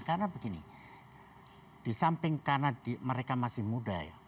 karena begini disamping karena mereka masih muda ya